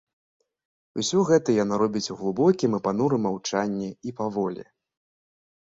Усё гэта яна робіць у глыбокім і панурым маўчанні і паволі.